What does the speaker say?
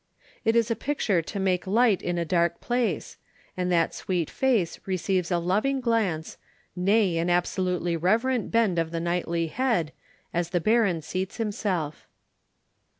It is a picture to make light in a dark place, and that sweet face receives a loving glance, nay, an absolutely reverent bend of the knightly head, as the Baron seats himself.